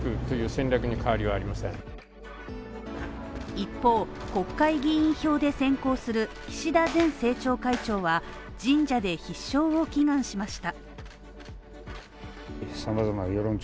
一方、国会議員票で先行する岸田前政調会長は、神社で必勝を祈願しました。